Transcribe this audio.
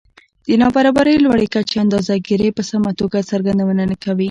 د نابرابرۍ لوړې کچې اندازه ګيرۍ په سمه توګه څرګندونه نه کوي